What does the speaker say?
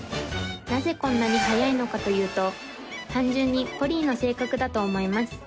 なぜこんなにはやいのかというと単純にポリーの性格だと思います